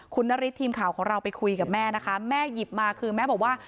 คุณนฤทธิ์ทีมข่าวของเราไปคุยกับแม่นะคะแม่หยิบมาคือแม่บอกว่า